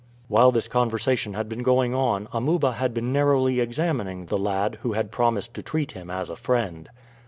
While this conversation had been going on Amuba had been narrowly examining the lad who had promised to treat him as a friend.